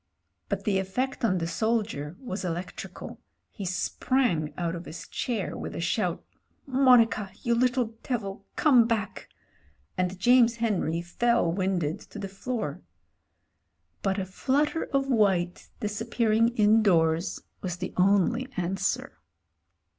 But the effect on the soldier was elec trical. He sprang out of his chair with a shout — "Monica — ^you little devil— come back," and James Henry fell winded to the floor. But a flutter of white disappearing indoors was the only answer.